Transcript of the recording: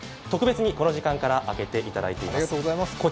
特別にこの時間から開けていただいています。